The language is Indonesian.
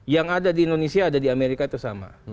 yang ada di indonesia ada di amerika itu sama